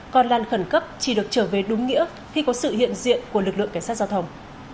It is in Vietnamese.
còn làn khẩn cấp chỉ được trở về đúng nghĩa khi có sự hiện diện của lực lượng cảnh sát giao thông